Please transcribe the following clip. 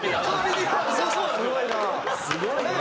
すごいな！